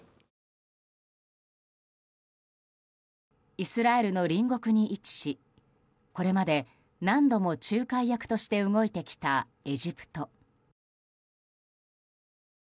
イスラエルの隣国に位置しこれまで何度も仲介役として動いてきたエジプト。